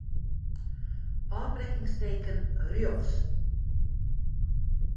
Ofbrekkingsteken rjochts.